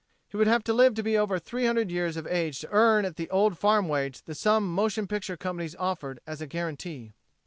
He would have to live to be over three hundred years of age to earn at the old farm wage the sum motion picture companies offered, as a guarantee.